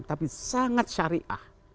tapi sangat syariah